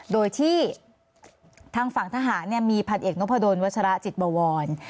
โดยที่ทางฝั่งทหารมีพันเอกนพดลวัชระจิตบวร